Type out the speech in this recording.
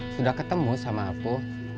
sudah ketemu sama aku